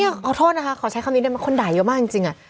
เอาโทษนะคะขอใช้คำนี้ได้ไหมคนด่าเยอะมากจริง